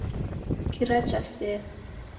Kira chasea